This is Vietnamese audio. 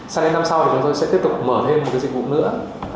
sang đến năm sau thì chúng tôi sẽ tiếp tục mở thêm một cái dịch vụ nữa